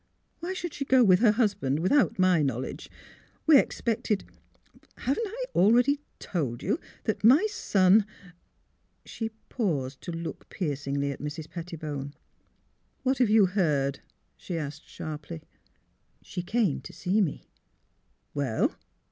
" Why should she go with her husband — with out my knowledge? We expected Haven't I already told you that my son " She paused to look piercingly at Mrs. Petti bone. " What have you heard? " she asked, sharply. " She came to see me." ''Well?"